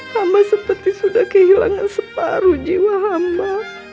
hama seperti sudah kehilangan separuh jiwa hamba